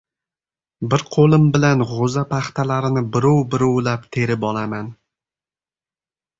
Bir qo‘lim bilan g‘o‘za paxtalarini birov- birovlab terib olaman.